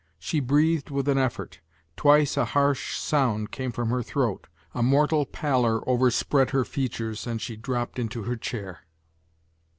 She breathed with an effort; twice a harsh sound came from her throat; a mortal pallor overspread her features and she dropped into her chair.